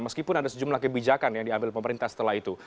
meskipun ada sejumlah kebijakan yang diambil pemerintah setelah itu